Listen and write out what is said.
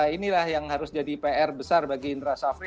inilah yang harus jadi pr besar bagi indra safri